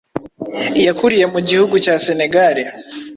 Yakuriye mu gihugu cya Senegale